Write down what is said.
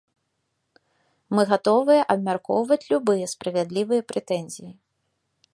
Мы гатовыя абмяркоўваць любыя справядлівыя прэтэнзіі.